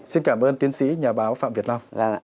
xin cảm ơn tiến sĩ nhà báo phạm việt long